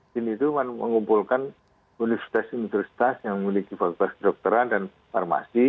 bin itu mengumpulkan universitas universitas yang memiliki fakultas kedokteran dan farmasi